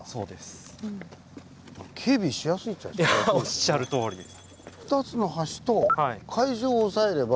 おっしゃるとおりです。